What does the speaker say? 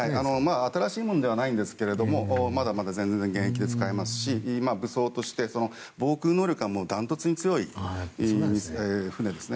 新しいものではないんですけどまだまだ全然、現役で使えますし武装として防空能力がダントツに強い船です。